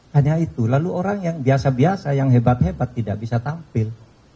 hanya itu lalu orang yang biasa biasa yang hebat hebat tidak bisa tampil